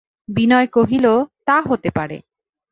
বিনয় কহিল, তা হতে পারে।